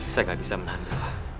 saya gak bisa menandalah